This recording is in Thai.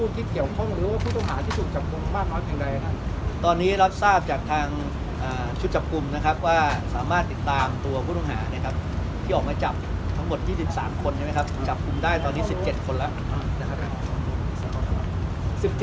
ตอนนี้เราทราบจากทางชุดจับกลุ่มนะครับว่าสามารถติดตามตัวผู้ต้องหานะครับที่ออกมาจับทั้งหมด๒๓คนใช่ไหมครับจับกลุ่มได้ตอนนี้๑๗คนแล้วนะครับ